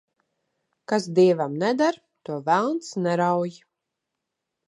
Kas dievam neder, to velns nerauj.